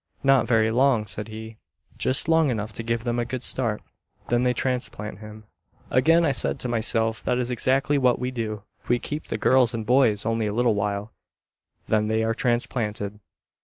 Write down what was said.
"Not very long," said he, "just long enough to give them a good start. Then they transplant them." Again I said to myself, "That is exactly what we do. We keep the girls and boys only a little while, then they are transplanted."